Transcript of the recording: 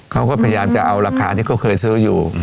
เขาก็พยายามจะเอาราคาที่เขาเคยซื้ออยู่